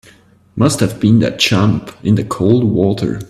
Must have been that jump in the cold water.